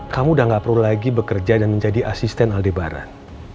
kamu udah gak perlu lagi bekerja dan menjadi asisten aldebaran